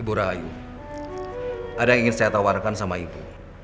ibu rahayu ada yang ingin saya tawarkan sama ibu